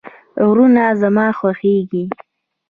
غرونه زما خوښیږي